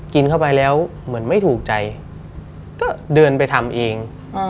กินเข้าไปแล้วเหมือนไม่ถูกใจก็เดินไปทำเอง